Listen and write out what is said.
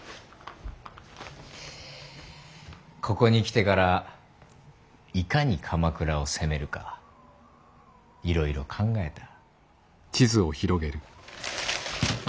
ここに来てからいかに鎌倉を攻めるかいろいろ考えた。